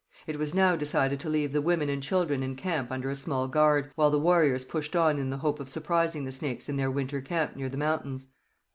It was now decided to leave the women and children in camp under a small guard, while the warriors pushed on in the hope of surprising the Snakes in their winter camp near the mountains.